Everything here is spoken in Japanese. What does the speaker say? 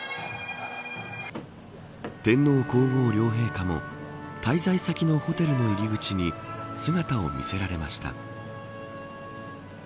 天皇皇后両陛下も滞在先のホテルの入り口に姿を見せられました。